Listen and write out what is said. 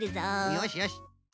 よしよし。